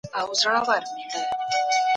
ځینې درمل حساسیت زیاتوي.